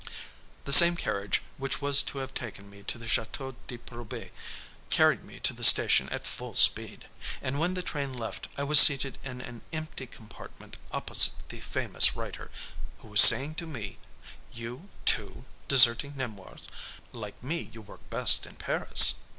The same carriage which was to have taken me to the Château de Proby carried me to the station at full speed, and when the train left I was seated in an empty compartment opposite the famous writer, who was saying to me, "You, too, deserting Nemours? Like me, you work best in Paris."